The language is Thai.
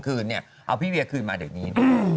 เอาพี่เวียคืนมาเดี๋ยวนี้